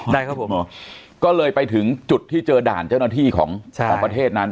ได้ครับผมก็เลยไปถึงจุดที่เจอด่านเจ้าหน้าที่ของประเทศนั้น